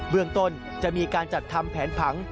เมืองต้นจะมีการจัดทำแผนผัง